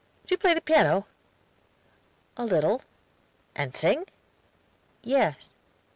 Do you play the piano?" "A little." "And sing?" "Yes."